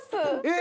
え！